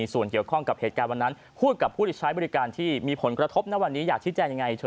ส่วนเกี่ยวข้องกับเหตุการณ์วันนั้นพูดกับผู้สิทธิ์ใช้บริการได้ยังไง